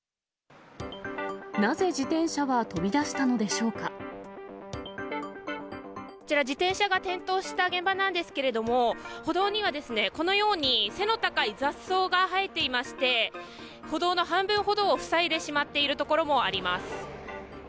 なぜ自転車は飛び出したのでこちら、自転車が転倒した現場なんですけれども、歩道にはこのように、背の高い雑草が生えていまして、歩道の半分ほどを塞いでしまっている所もあります。